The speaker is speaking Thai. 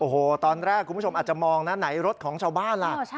โอ้โหตอนแรกคุณผู้ชมอาจจะมองนะไหนรถของชาวบ้านล่ะ